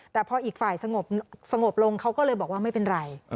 แต่พออีกฝ่ายสงบลงเขาก็เลยบอกว่าไม่เป็นไร